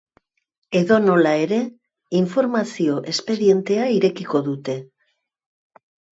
Edonola ere, informazio espedientea irekiko dute.